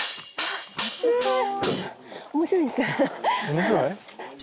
面白い？